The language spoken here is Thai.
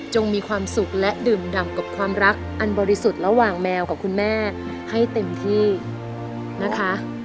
มีความสุขและดื่มดำกับความรักอันบริสุทธิ์ระหว่างแมวกับคุณแม่ให้เต็มที่นะคะ